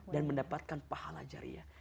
dan mendapatkan pahala jariyah